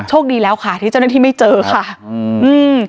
โชคดีแล้วค่ะที่เจ้าหน้าที่ไม่เจอค่ะอืมอืม